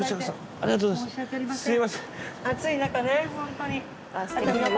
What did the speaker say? ありがとうございます。